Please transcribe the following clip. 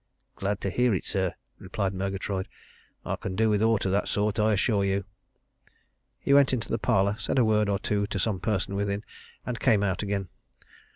"Glad to hear it, sir," replied Murgatroyd. "I can do with aught of that sort, I assure you!" He went into the parlour, said a word or two to some person within, and came out again.